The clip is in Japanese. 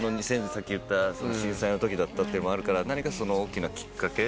さっき言った震災のときだったのもあるから何か大きなきっかけ？